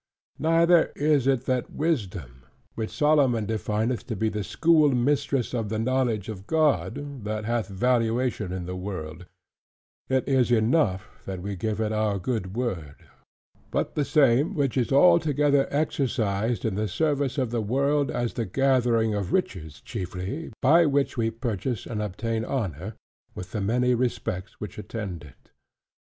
Neither is it that wisdom, which Solomon defineth to be the "Schoolmistress of the knowledge of God," that hath valuation in the world: it is enough that we give it our good word: but the same which is altogether exercised in the service of the world as the gathering of riches chiefly, by which we purchase and obtain honor, with the many respects which attend it.